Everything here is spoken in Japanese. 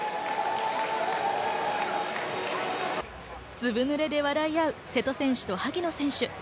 ずぶ濡れで笑い合う瀬戸選手と萩野選手。